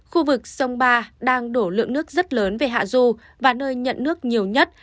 khu vực sông ba đang đổ lượng nước rất lớn về hạ du và nơi nhận nước nhiều nhất